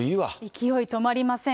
勢い止まりません。